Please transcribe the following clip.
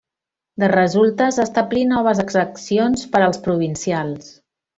De resultes, establí noves exaccions per als provincials.